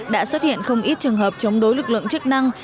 đã xuất hiện không ít trường hợp chống đối lực lượng chức năng